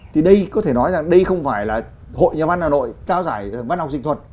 thì đây có thể nói rằng đây không phải là hội nhà văn hà nội trao giải văn học dịch thuật